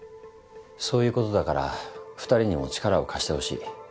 そういうことだから２人にも力を貸してほしい。